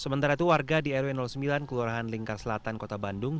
sementara itu warga di rw sembilan kelurahan lingkar selatan kota bandung